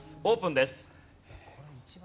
オープンです。